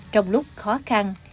trong lúc khó khăn